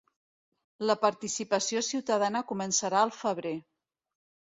La participació ciutadana començarà al febrer